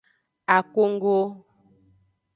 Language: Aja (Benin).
Akogo.